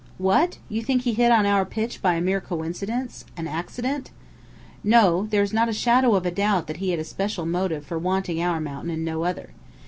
"What! You think he hit on our pitch by a mere coincidence an accident?" "No. There's not a shadow of doubt that he had a special motive for wanting our mountain and no other."